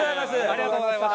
ありがとうございます。